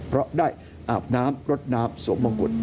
เพราะได้อาบน้ำรดน้ำสวมมงกุฎ